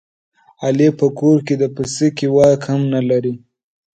علي په کور کې د پسکې واک هم نه لري.